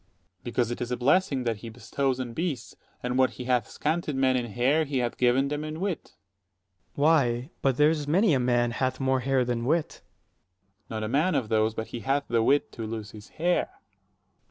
Dro. S. Because it is a blessing that he bestows on beasts: and what he hath scanted men in hair, he hath given them in wit. 80 Ant. S. Why, but there's many a man hath more hair than wit. Dro. S. Not a man of those but he hath the wit to lose his hair.